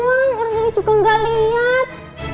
orang orang juga gak liat